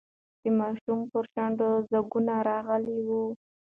د ماشوم پر شونډو ځگونه راغلي وو.